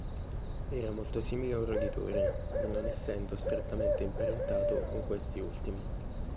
Era molto simile a un roditore pur non essendo strettamente imparentato con questi ultimi.